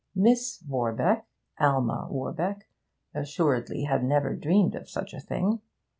Miss Warbeck Alma Warbeck assuredly had never dreamed of such a thing.